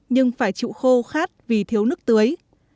nhưng phải chịu khô khát vì thiếu nước tưới